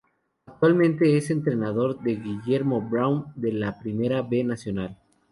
Actualmente es entrenador de Guillermo Brown de la Primera B Nacional.